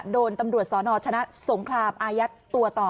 โดนตำรวจสนชนะสงครามอายัดตัวต่อ